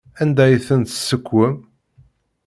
Anda ay tent-tessekwem?